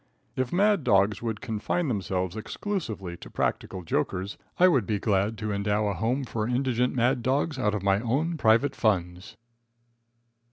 If mad dogs would confine themselves exclusively to practical jokers, I would be glad to endow a home for indigent mad dogs out of my own private funds.